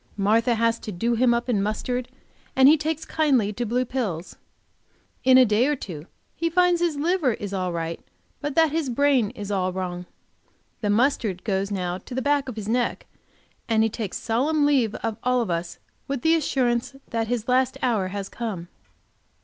Martha has to do him up in mustard, and he takes kindly to blue pills. In a day or two he finds his liver is all right, but that his brain is all wrong. The mustard goes now to the back of his neck, and he takes solemn leave of us all, with the assurance that his last hour has come.